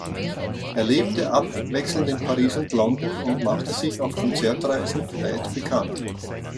Er lebte abwechselnd in Paris und London und machte sich auf Konzertreisen weit bekannt.